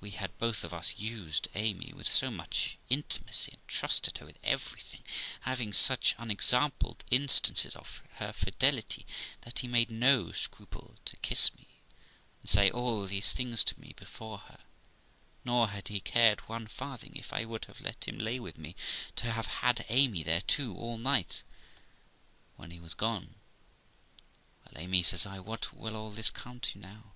We had both of us used Amy with so much intimacy, and trusted her with everything, having such unexampled instances of her fidelity, that he made no scruple to kiss me and say all these things to me before her; nor had he cared one farthing, if I would have let him He with me, to have had Amy there too all night. When he was gone, 'Well, Amy', says I, 'what will all this come to now?